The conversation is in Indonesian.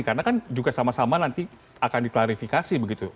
karena kan juga sama sama nanti akan diklarifikasi begitu